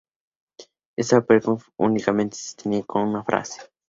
Este papel únicamente tenía una frase.